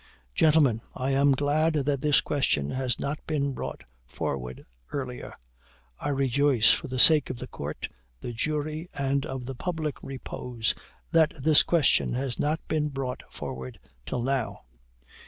"Gentlemen, I am glad that this question has not been brought forward earlier. I rejoice for the sake of the court, the jury, and of the public repose, that this question has not been brought forward till now.